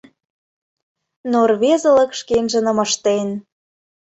Но рвезылык шкенжыным ыштен.